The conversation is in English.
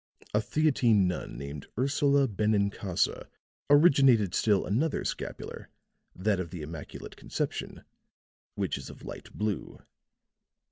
A Theatine nun named Ursula Benincasa originated still another scapular, that of the Immaculate Conception, which is of light blue.